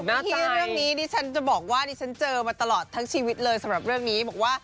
ที่เรื่องนี้ดิฉันจะบอกว่าดิฉันเจอมาตลอดทั้งชีวิตเลยสำหรับเรื่องนี้บอกว่า